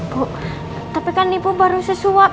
bu tapi kan ibu baru sesuap